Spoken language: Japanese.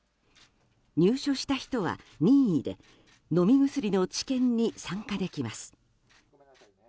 入所した人は任意で飲み薬の治験に参加できます。